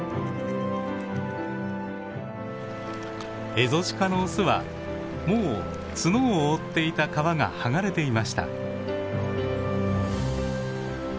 エゾシカのオスはもう角を覆っていた皮が剥がれていました。